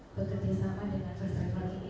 bekerja sama dengan first travel ini